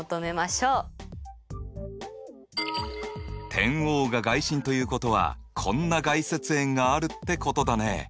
点Ｏが外心ということはこんな外接円があるってことだね。